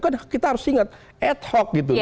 kan kita harus ingat ad hoc gitu